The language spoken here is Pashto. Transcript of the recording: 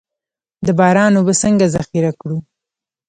د باران اوبه څنګه ذخیره کړو؟